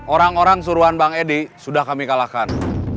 orang orang suruhan bang edi sudah kami kalahkan